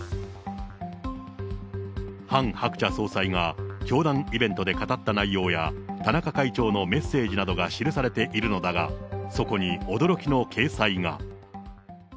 ハン・ハクチャ総裁が教団イベントで語った内容や、田中会長のメッセージなどが記されているのだが、そこに驚きの掲載が。